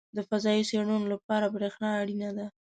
• د فضایي څېړنو لپاره برېښنا اړینه ده.